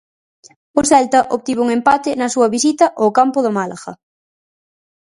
O Celta obtivo un empate na súa visita ó campo do Málaga.